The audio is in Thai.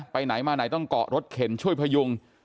ไปไหนมาไหนต้องเกาะรถเข็นช่วยพยุง